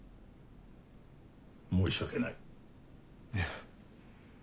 申し訳ない。いや。